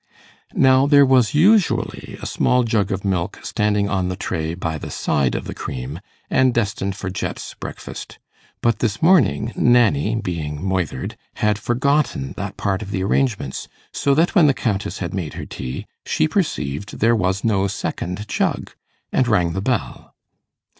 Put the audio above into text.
Now there was usually a small jug of milk standing on the tray by the side of the cream, and destined for Jet's breakfast, but this morning Nanny, being 'moithered', had forgotten that part of the arrangements, so that when the Countess had made her tea, she perceived there was no second jug, and rang the bell.